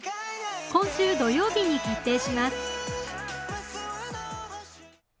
今週土曜日に決定します。